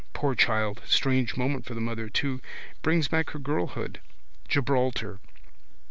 Poor child! Strange moment for the mother too. Brings back her girlhood. Gibraltar.